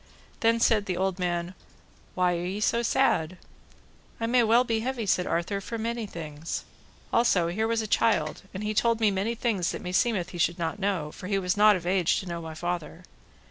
Then said the old man, Why are ye so sad? I may well be heavy, said Arthur, for many things. Also here was a child, and told me many things that meseemeth he should not know, for he was not of age to know my father.